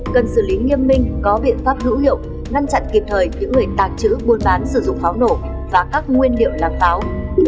cần xử lý nghiêm minh có biện pháp hữu hiệu ngăn chặn kịp thời những người tàng trữ buôn bán sử dụng pháo nổ và các nguyên liệu làm pháo